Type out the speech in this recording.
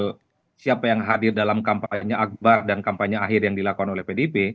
soal siapa yang hadir dalam kampanye akbar dan kampanye akhir yang dilakukan oleh pdip